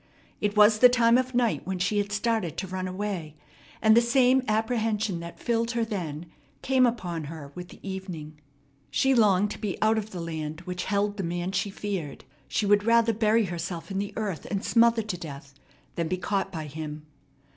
It was the time of night when she had started to run away, and the same apprehension that filled her then came upon her with the evening. She longed to be out of the land which held the man she feared. She would rather bury herself in the earth and smother to death than be caught by him.